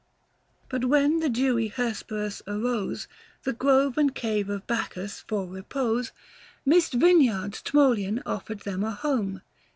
But when the dewy Hesperus arose, The grove and cave of Bacchus for repose, Midst vineyards Tmolan offered them a home.